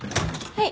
はい。